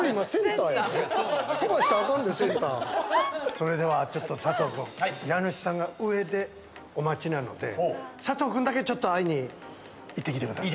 それではちょっと佐藤くん、家主さんが上でお待ちなので、佐藤くんだけちょっと会いに行ってきてください。